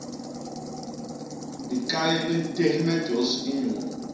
Bikay bi ntés me tjôs inyuu.